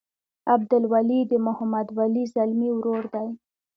عبدالولي د محمد ولي ځلمي ورور دی.